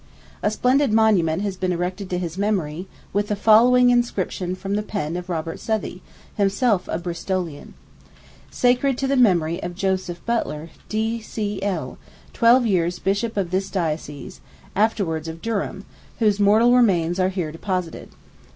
A splendid monument has been erected to his memory, with the following inscription from the pen of Robert Southey, himself a Bristolian: Sacred to the Memory of JOSEPH BUTLER, D.C.L., twelve years Bishop of this Diocese, afterwards of Durham, whose mortal remains are here deposited.